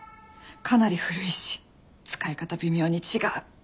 かなり古いし使い方微妙に違う